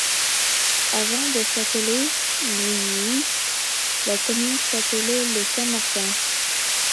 Avant de s'appeler Loeuilley, la commune s'appelait Le Saint-Martin.